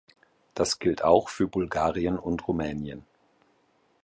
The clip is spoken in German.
Das gilt auch für Bulgarien und Rumänien.